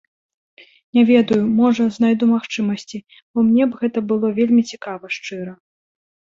Не ведаю, можа, знайду магчымасці, бо мне б гэта было вельмі цікава, шчыра.